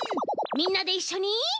みんなでいっしょに。